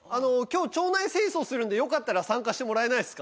今日町内清掃するんでよかったら参加してもらえないですか？